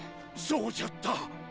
そうじゃった。